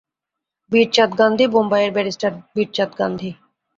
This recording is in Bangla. বীরচাঁদ গান্ধী বোম্বাই-এর ব্যারিষ্টার বীরচাঁদ গান্ধী।